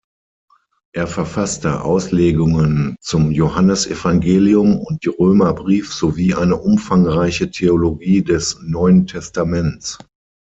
Er verfasste Auslegungen zum Johannesevangelium und Römerbrief sowie eine umfangreiche Theologie des Neuen Testaments.